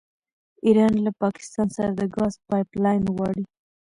ایران له پاکستان سره د ګاز پایپ لاین غواړي.